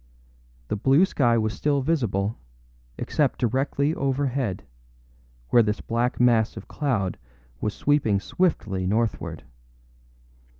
The blue sky was still visible, except directly overhead, where this black mass of cloud was sweeping swiftly northward.